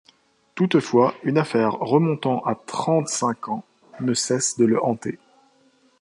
Toutefois, une affaire remontant à trente-cinq ans ne cesse de le hanter.